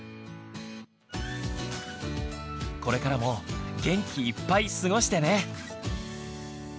これからも元気いっぱい過ごしてね！